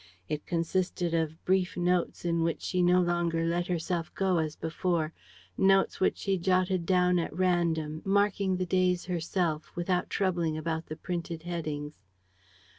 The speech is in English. It consisted of brief notes in which she no longer let herself go as before, notes which she jotted down at random, marking the days herself, without troubling about the printed headings.